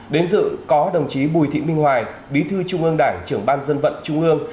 đến dự có đồng chí bùi thị minh hoài bí thư trung ương đảng trưởng ban dân vận trung ương